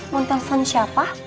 mau telfon siapa